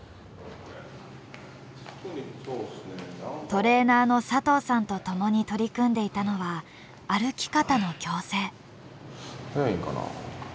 トレーナーの佐藤さんと共に取り組んでいたのは歩き方の矯正。